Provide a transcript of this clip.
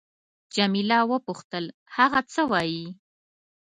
جميله وپوښتل: هغه څه وایي؟